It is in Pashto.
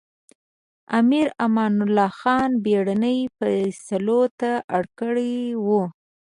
امیر امان الله خان بېړنۍ فېصلو ته اړ کړی و.